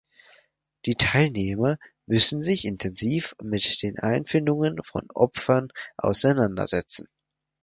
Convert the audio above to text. Die Teilnehmer müssen sich intensiv mit den Empfindungen von Opfern auseinandersetzen.